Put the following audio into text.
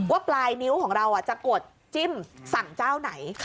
ปลายนิ้วของเราจะกดจิ้มสั่งเจ้าไหน